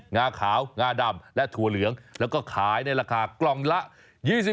งาขาวงาดำและถั่วเหลืองแล้วก็ขายในราคากล่องละ๒๐บาท